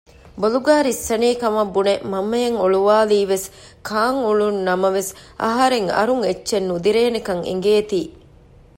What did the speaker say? ބޮލުގަ ރިއްސަނީކަމަށް ބުނެ މަންމައަށް އޮޅުވާލީވެސް ކާން އުޅުނު ނަމަވެސް އަހަރެންގެ އަރުން އެއްޗެއް ނުދިރޭނެކަން އެނގޭތީ